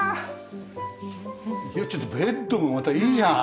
いやちょっとベッドもまたいいじゃん。